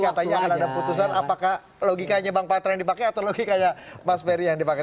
katanya akan ada putusan apakah logikanya bang patra yang dipakai atau logikanya mas ferry yang dipakai